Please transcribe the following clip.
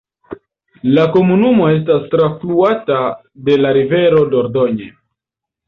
La komunumo estas trafluata de la rivero Dordogne.